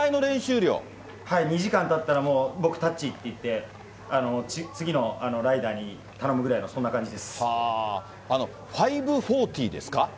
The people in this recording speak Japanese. ２時間たったら、僕、タッチって言って、次のライダーに頼むぐらいの、５４０ですか？